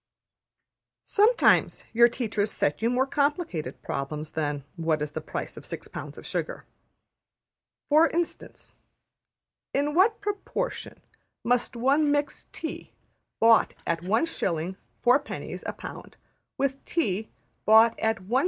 Sometimes your teachers set you more complicated problems than: What is the price of six pounds of sugar? For instance: In what proportion must one mix tea bought at 1s.\ 4d.\ a pound with tea bought at 1s.